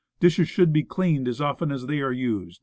Dishes should be cleaned as often as they are used.